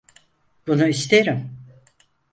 Bunu isterim.